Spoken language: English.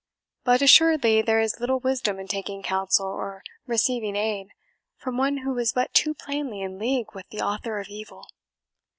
But assuredly there is little wisdom in taking counsel or receiving aid from one who is but too plainly in league with the author of evil."